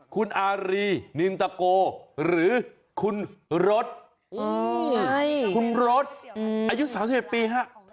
คุณอารีนินตะโกหรือคุณรถคุณรถอายุ๓๑ปีฮะ